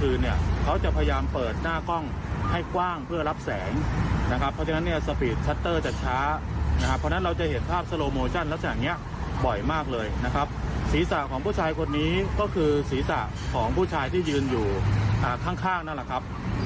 ศีรษะของผู้ชายคนนี้ก็คือศีรษะของผู้ชายที่ยืนอยู่ข้างนั่นแหละครับ